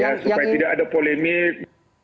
ya supaya tidak ada polemik